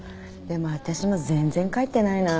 でも私も全然帰ってないな。